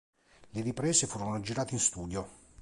Le riprese furono girate in studio.